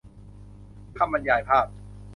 คำบรรยายภาพ